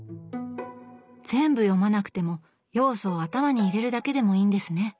全部読まなくても要素を頭に入れるだけでもいいんですね。